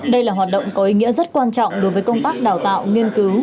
đây là hoạt động có ý nghĩa rất quan trọng đối với công tác đào tạo nghiên cứu